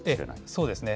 そうですね。